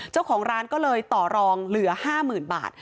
เจ้าของร้านก็เลยต่อรองเหลือ๕๐๐๐บาท